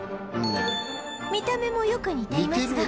見た目もよく似ていますが